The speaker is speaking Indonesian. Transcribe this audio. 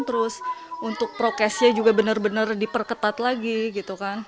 terus untuk prokesnya juga benar benar diperketat lagi